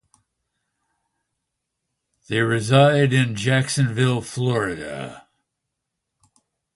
They reside in Jacksonville, Florida.